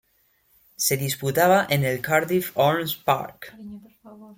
Se disputaba en el Cardiff Arms Park.